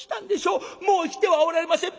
もう生きてはおられません。